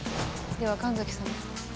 では神崎さま。